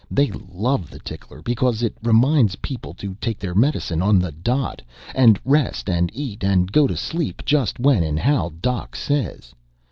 They love the tickler because it'll remind people to take their medicine on the dot ... and rest and eat and go to sleep just when and how doc says.